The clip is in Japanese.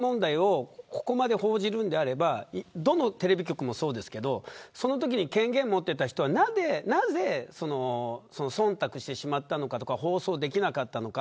僕はこういうジャニーズ問題をここまで報じるんであればどのテレビ局もそうですけどそのときに権限を持っていた人はなぜ忖度してしまったのかとか放送できなかったのか